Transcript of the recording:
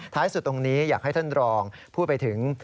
สุดตรงนี้อยากให้ท่านรองพูดไปถึง